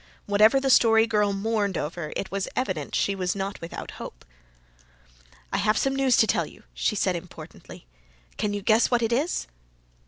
Whatever the Story Girl mourned over it was evident she was not without hope. "I have some news to tell you," she said importantly. "Can you guess what it is?"